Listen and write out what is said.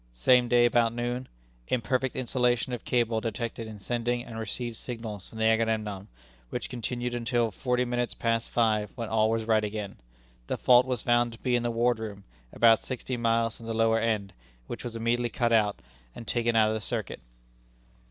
Same day about noon, "imperfect insulation of cable detected in sending and receiving signals from the Agamemnon, which continued until forty minutes past five, when all was right again. The fault was found to be in the ward room, about sixty miles from the lower end, which was immediately cut out, and taken out of the circuit."